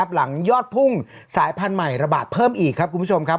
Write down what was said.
หลังยอดพุ่งสายพันธุ์ใหม่ระบาดเพิ่มอีกครับคุณผู้ชมครับ